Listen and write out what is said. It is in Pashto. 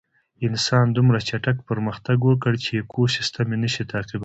انسان دومره چټک پرمختګ وکړ چې ایکوسېسټم یې نهشوی تعقیبولی.